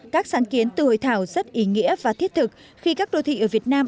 các sáng kiến từ hội thảo rất ý nghĩa và thiết thực khi các đô thị ở việt nam